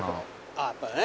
あっやっぱりね。